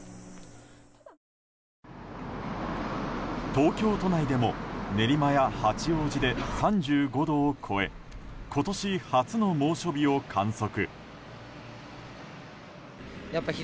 東京都内でも練馬や八王子で３５度を超え今年初の猛暑日を観測。